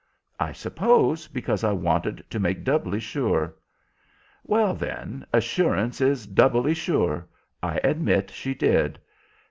"I suppose because I wanted to make doubly sure." "Well, then, assurance is doubly sure. I admit she did."